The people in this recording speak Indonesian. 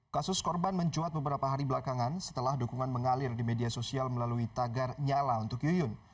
kasus korban mencuat beberapa hari belakangan setelah dukungan mengalir di media sosial melalui tagar nyala untuk yuyun